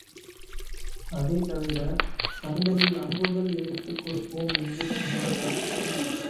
அதைத் தவிர, சண்டையில் அம்புகள் எடுத்துக் கொடுப்போம் என்று சொன்னார்கள்.